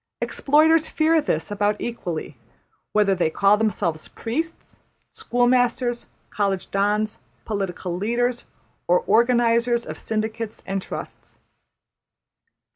Exploiters fear this about equally, whether they call themselves priests, schoolmasters, college dons, political leaders, or organisers of syndicates and trusts.